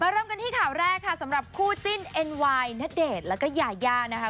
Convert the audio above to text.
เริ่มกันที่ข่าวแรกค่ะสำหรับคู่จิ้นเอ็นไวน์ณเดชน์แล้วก็ยายานะคะ